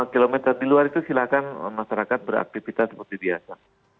lima km di luar itu silakan masyarakat beraktivitas seperti biasa